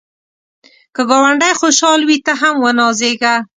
که ګاونډی خوشحال وي، ته هم ونازېږه